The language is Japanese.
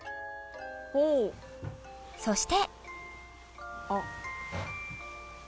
そして。